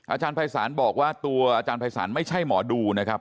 อาจารย์ภัยศาลบอกว่าตัวอาจารย์ภัยศาลไม่ใช่หมอดูนะครับ